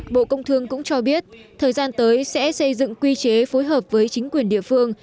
bộ công thương cũng cho biết thời gian tới sẽ xây dựng quy chế phối hợp với chính quyền địa phương